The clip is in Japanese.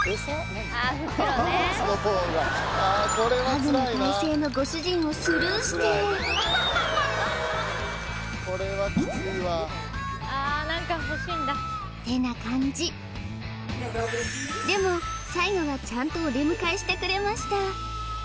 ハグの体勢のご主人をスルーしててな感じでも最後はちゃんとお出迎えしてくれました